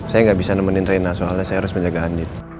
saya nggak bisa nemenin rena soalnya saya harus menjaga andi